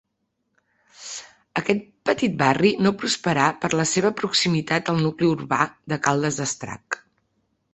Aquest petit barri no prosperà per la seva proximitat al nucli urbà de Caldes d'Estrac.